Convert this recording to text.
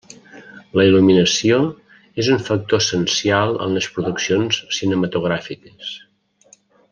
La il·luminació és un factor essencial en les produccions cinematogràfiques.